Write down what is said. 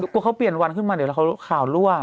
กลัวเขาเปลี่ยนวันขึ้นมาเดี๋ยวแล้วข่าวรั่ว